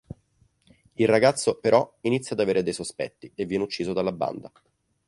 Il ragazzo però inizia ad avere dei sospetti e viene ucciso dalla banda.